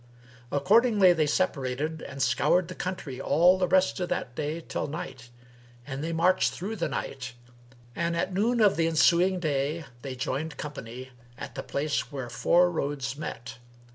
Accordingly they separated and scoured the country all the rest of that day till night, and they marched through the night and at noon of the ensuing day they joined company at the place where four roads met.